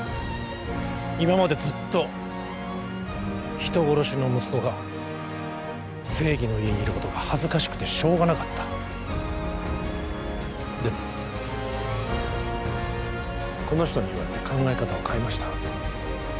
今までずっと人殺しの息子が正義の家にいることが恥ずかしくてしょうがなかったでもこの人に言われて考え方を変えました